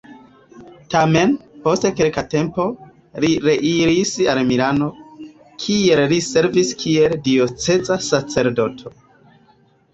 Tamen, post kelka tempo li reiris al Milano, kie li servis kiel dioceza sacerdoto.